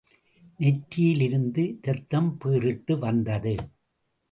நெற்றியிலிருந்து ரத்தம் பீறிட்டு வந்தது.